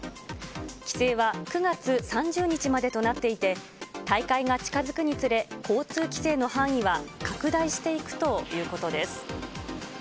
規制は９月３０日までとなっていて、大会が近づくにつれ、交通規制の範囲は拡大していくということです。